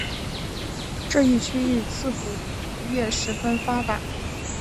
这一区域自古渔业十分发达。